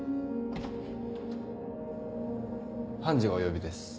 判事がお呼びです。